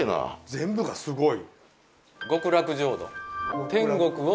全部がすごい。